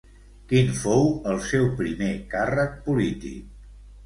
Quin fou el seu primer càrrec polític?